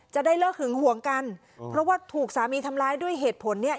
จะได้เลิกหึงห่วงกันเพราะว่าถูกสามีทำร้ายด้วยเหตุผลเนี่ย